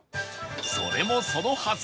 それもそのはず